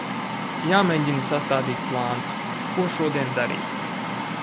Jāmēģina sastādīt plāns, ko šodien darīt.